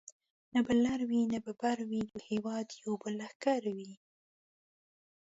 نه به لر وي نه به بر وي یو هیواد یو به لښکر وي